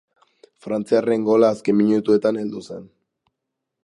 Frantziarren gola azken minutuetan heldu zen.